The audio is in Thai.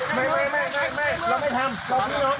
ไม่เราไม่ทำเราพยายามกัน